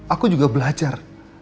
aku juga belajar